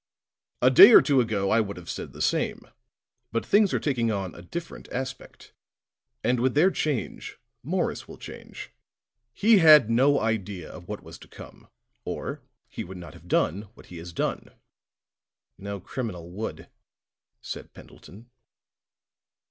"A day or two ago I would have said the same. But things are taking on a different aspect. And with their change, Morris will change. He had no idea of what was to come, or he would not have done what he has done." "No criminal would," said Pendleton.